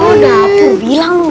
oh dapur bilang lu